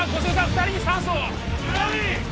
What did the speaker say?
２人に酸素を了解！